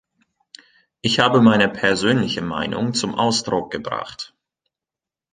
Ich habe meine persönliche Meinung zum Ausdruck gebracht.